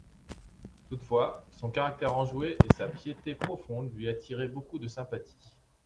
Toutefois, son caractère enjoué et sa piété profonde lui attiraient beaucoup de sympathie.